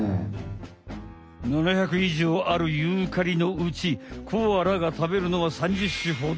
７００以上あるユーカリのうちコアラがたべるのは３０種ほど。